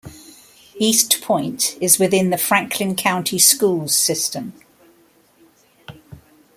Eastpoint is within the Franklin County Schools system.